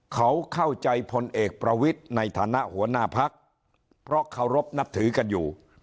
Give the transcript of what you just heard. เขาเข้าใจพลเอกประวิทย์ในฐานะหัวหน้าพักเพราะเคารพนับถือกันอยู่